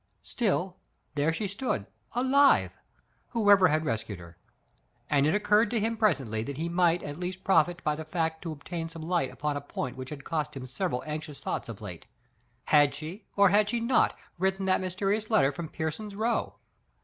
Still, there she stood, alive — whoever had res cued her; and it occurred to him ^presently that he might at least profit by the fact to objtain some light upon a point which had cost him sev eral anxious thoughts of late. Had she, or had she not, written that mysterious letter from Pear son's Row?